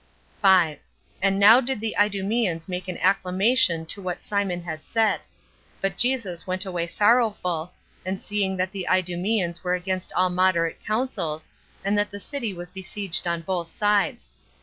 And now did the Idumeans make an acclamation to what Simon had said; but Jesus went away sorrowful, as seeing that the Idumeans were against all moderate counsels, and that the city was besieged on both sides.